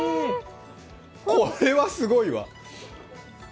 これは、すごいわ。